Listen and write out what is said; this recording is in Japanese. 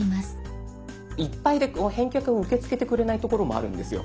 いっぱいで返却を受け付けてくれないところもあるんですよ。